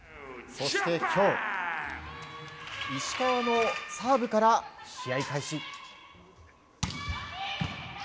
そして今日石川のサーブから試合開始。